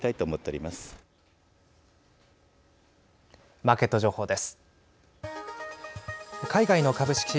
マーケット情報です。